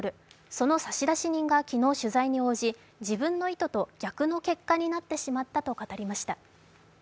その差出人が昨日、取材に応じ自分の意図と逆の結果になってしまったと語りました。